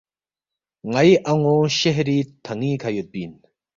”ن٘ئی ان٘و شہری تھن٘ی کھہ یودپی اِن